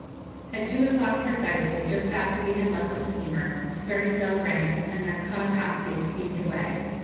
At two o'clock precisely, just after we had left the steamer, the starting bell rang, and the 'Cotopaxi' steamed away.